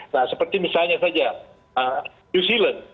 nah seperti misalnya saja new zealand